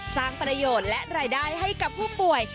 สร้างประโยชน์และรายได้ให้กับผู้ป่วย